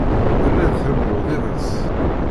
Telliḍ tṛewwuḍ iḍes.